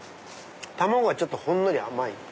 卵がほんのり甘い。